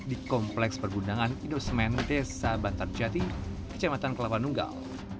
di kompleks pergundangan indosemen desa bantarjati kecamatan kelapa nunggal